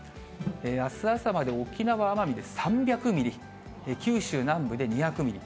あす朝まで沖縄・奄美で３００ミリ、九州南部で２００ミリ。